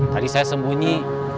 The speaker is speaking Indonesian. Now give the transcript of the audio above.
tadi saya sembunyi